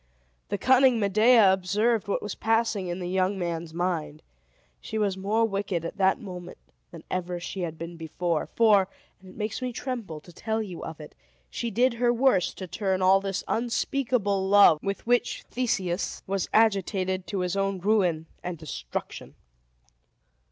The cunning Medea observed what was passing in the young man's mind. She was more wicked at that moment than ever she had been before; for (and it makes me tremble to tell you of it) she did her worst to turn all this unspeakable love with which Theseus was agitated to his own ruin and destruction.